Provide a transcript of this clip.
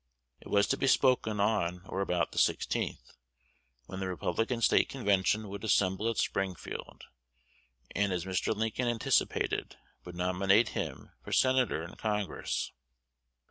It was to be spoken on or about the 16th, when the Republican State Convention would assemble at Springfield, and, as Mr. Lincoln anticipated, would nominate him for senator in Congress.